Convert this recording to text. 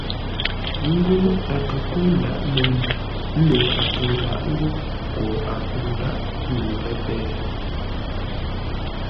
Ńgó a kə kə́u ńdǎʼ no a kə lǎʼ ńgó koo a kə̂u ńdáʼ ŋuu lə́ péh.